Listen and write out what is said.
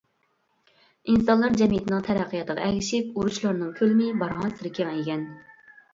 ئىنسانلار جەمئىيىتىنىڭ تەرەققىياتىغا ئەگىشىپ، ئۇرۇشلارنىڭ كۆلىمى بارغانسېرى كېڭەيگەن.